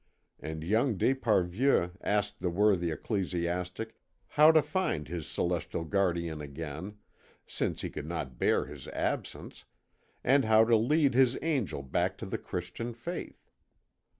And young d'Esparvieu asked the worthy ecclesiastic how to find his celestial guardian again, since he could not bear his absence, and how to lead his angel back to the Christian faith.